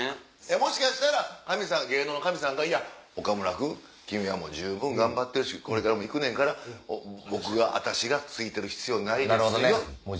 もしかしたら芸能の神様が「岡村君君は十分頑張ってるしこれからも行くねんから私がついてる必要ないですよ」っていう。